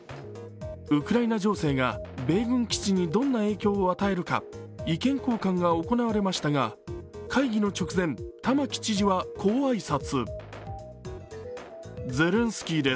ウクライナ情勢が米軍基地にどんな影響を与えるか意見交換が行われましたが会議の直前、玉城知事はこう挨拶。